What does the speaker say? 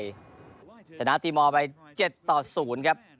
รุ่นของทีมไทยชนะตีมอลไปเจ็ดต่อศูนย์ครับ